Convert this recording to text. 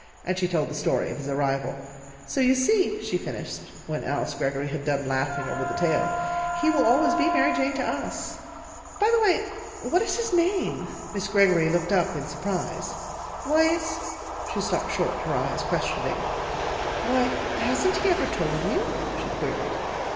And she told the story of his arrival. "So you see," she finished, when Alice Greggory had done laughing over the tale, "he always will be 'Mary Jane' to us. By the way, what is his name?" Miss Greggory looked up in surprise. "Why, it's " She stopped short, her eyes questioning. "Why, hasn't he ever told you?" she queried.